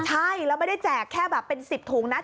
ใช่แล้วไม่ได้แจกแค่แบบเป็น๑๐ถุงนะ